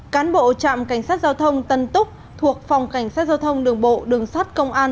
cán bộ trạm cảnh sát giao thông tân túc thuộc phòng cảnh sát giao thông đường bộ đường sát công an